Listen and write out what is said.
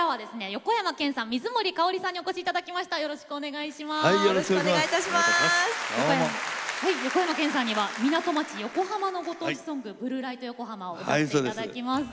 横山剣さんには港町・横浜のご当地ソング「ブルー・ライト・ヨコハマ」を歌って頂きます。